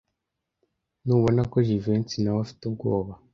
Ntubona ko Jivency nawe afite ubwoba?